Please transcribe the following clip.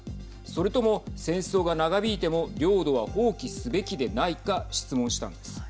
それとも戦争が長引いても領土は放棄すべきでないか質問したんです。